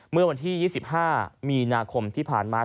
เมื่อวันที่๒๕มีนาคมที่ผ่านมา